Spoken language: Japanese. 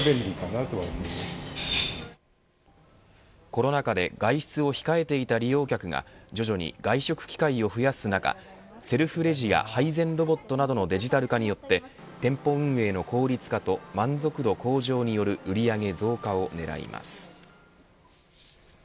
コロナ禍で外出を控えていた利用客が徐々に外食機会を増やす中セルフレジや配膳ロボットなどのデジタル化によって店舗運営の効率化と満足度向上による売り上げ増加を狙います。